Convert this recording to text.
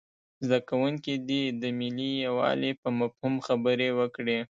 زده کوونکي دې د ملي یووالي په مفهوم خبرې وکړي.